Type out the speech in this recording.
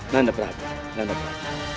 nanda prabu nanda prabu